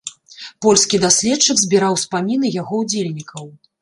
Польскі даследчык збіраў успаміны яго ўдзельнікаў.